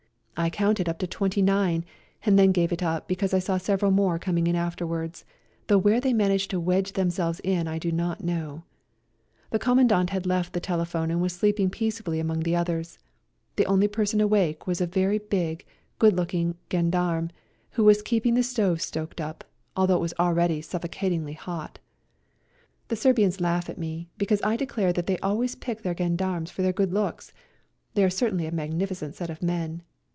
I counted up to twenty nine and then gave it up because I saw several more come in afterwards, though where they managed to wedge themselves in I do not know. The Commandant had left the telephone and was sleeping peacefully among the others ; the only person awake was a very big, good looking gendarme, w^ho was keeping the stove stoked up, although it w^as already suffocatingly hot. The Ser 102 A COLD NIGHT RIDE bians laugh at me because I declare that they always pick their gendarmes for their good looks ; they are certainly a magnificent set of men.